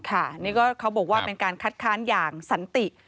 เค้าบอกว่าเป็นการคัดค้านอย่างสันติ